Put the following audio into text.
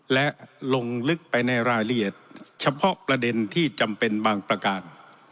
และลงลึกไปในรายละเอียดเฉพาะประเด็นที่จำเป็นบางประการ